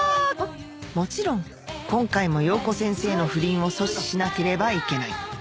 もちろん今回も洋子先生の不倫を阻止しなければいけない